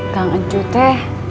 kang encik teh